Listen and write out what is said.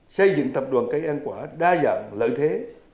xây dựng tập đoàn cây ăn quả đa dạng lợi thế